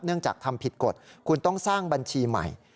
จากทำผิดกฎคุณต้องสร้างบัญชีใหม่